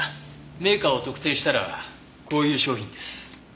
メーカーを特定したらこういう商品です。